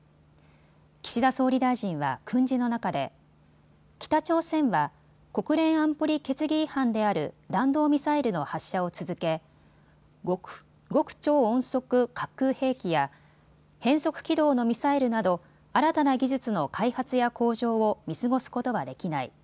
岸田総理大臣は訓示の中で北朝鮮は国連安保理決議違反である弾道ミサイルの発射を続け極超音速滑空兵器や変則軌道のミサイルなど新たな技術の開発や向上を見過ごすことはできない。